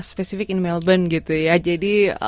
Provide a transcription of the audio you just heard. spesifik in melbourne gitu ya jadi